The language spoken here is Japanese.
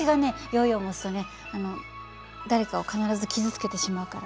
ヨーヨー持つとねあの誰かを必ず傷つけてしまうから。